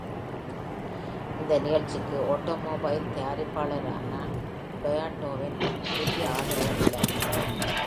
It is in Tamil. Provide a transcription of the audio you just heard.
இந்த நிகழ்ச்சிக்கு ஆட்டோமொபைல் தயாரிப்பாளரான டொயாட்டோவின் பெரிய ஆதரவும் உள்ளது.